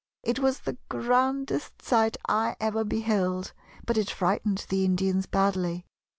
It was the grandest sight I ever beheld, but it frightened the Indians badly.